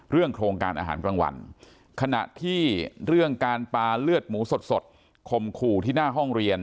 โครงการอาหารกลางวันขณะที่เรื่องการปาเลือดหมูสดคมขู่ที่หน้าห้องเรียน